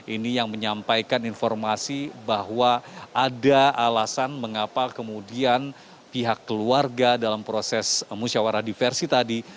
ini yang menyampaikan informasi bahwa ada alasan mengapa kemudian pihak keluarga dalam proses musyawarah diversi tadi